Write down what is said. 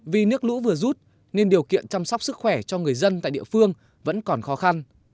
vì nước lũ vừa rút nên điều kiện chăm sóc sức khỏe cho người dân tại địa phương vẫn còn khó khăn